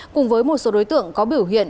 cùng với một số đối tượng có biểu hiện